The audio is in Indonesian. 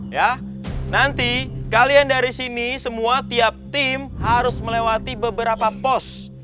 ya nanti kalian dari sini semua tiap tim harus melewati beberapa pos